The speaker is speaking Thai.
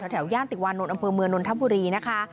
ย่านติวานนท์อำเภอเมืองนนทบุรีนะคะ